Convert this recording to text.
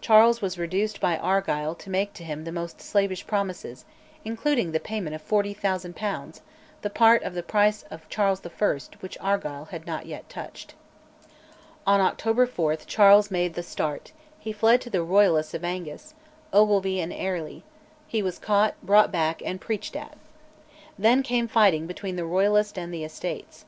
Charles was reduced by Argyll to make to him the most slavish promises, including the payment of 40,000 pounds, the part of the price of Charles I. which Argyll had not yet touched. On October 4 Charles made "the Start"; he fled to the Royalists of Angus, Ogilvy and Airlie: he was caught, brought back, and preached at. Then came fighting between the Royalists and the Estates.